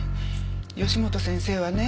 義本先生はね